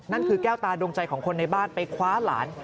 แก้วตาดวงใจของคนในบ้านไปคว้าหลาน